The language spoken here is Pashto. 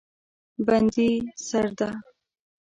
بندي سرده